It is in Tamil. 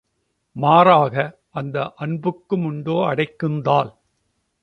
மாறாக, அந்த அன்புக்குமுண்டோ அடைக்குந்தாழ்?